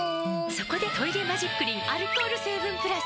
そこで「トイレマジックリン」アルコール成分プラス！